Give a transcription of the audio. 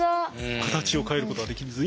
形を変えることはできずに。